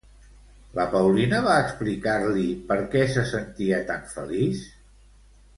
La Paulina va explicar-li per què se sentia tan feliç?